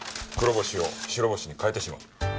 黒星を白星に変えてしまう。